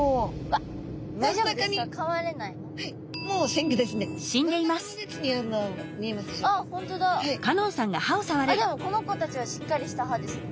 あっでもこの子たちはしっかりした歯ですね。